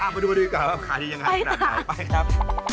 มาดูก่อนขายได้ยังไงไปครับ